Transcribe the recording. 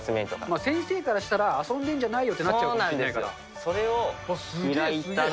まあ、先生からしたら、遊んでんじゃないよってなっちゃうから。